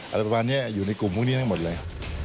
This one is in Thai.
อะไรแบบนี้อยู่ในกลุ่มพวกนี้ให้หมดเลย